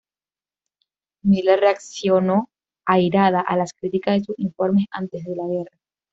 Miller reaccionó airada a las críticas de sus informes antes de la guerra.